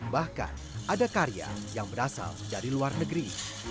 bahkan ada karya yang berasal dari luar negeri